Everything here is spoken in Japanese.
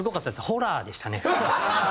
ホラーでしたね。